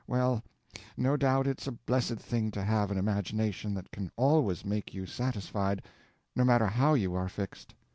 Well, no doubt it's a blessed thing to have an imagination that can always make you satisfied, no matter how you are fixed.